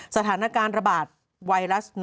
สถานการณ์ระบาดไวรัส